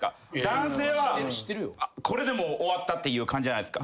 男性はこれでもう終わったっていう感じじゃないっすか。